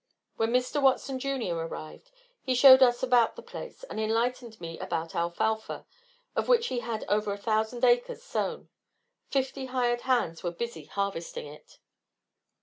When Mr. Watson, Jr., arrived, he showed us about the place and enlightened me about alfalfa, of which he had over a thousand acres sown; fifty hired hands were busy harvesting it.